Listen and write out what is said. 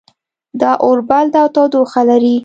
دا اور بل ده او تودوخه لري